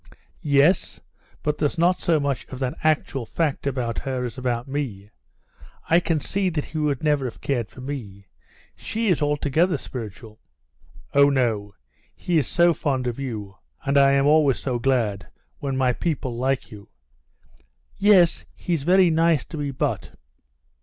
"Yes, but there's not so much of that actual fact about her as about me. I can see that he would never have cared for me. She is altogether spiritual." "Oh, no, he is so fond of you, and I am always so glad when my people like you...." "Yes, he's very nice to me; but...."